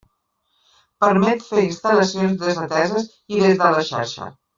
Permet fer instal·lacions desateses i des de xarxa.